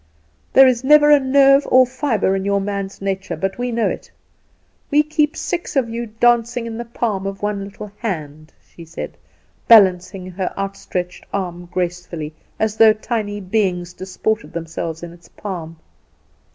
There is never a nerve or fibre in a man's nature but we know it. We keep six of you dancing in the palm of one little hand," she said, balancing her outstretched arm gracefully, as though tiny beings disported themselves in its palm.